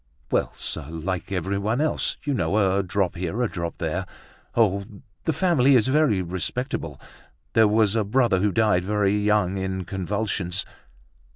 "Well! sir, like everyone else, you know; a drop here, a drop there. Oh! the family is very respectable! There was a brother who died very young in convulsions."